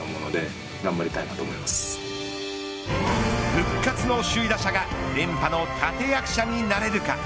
復活の首位打者が連覇の立役者になれるか。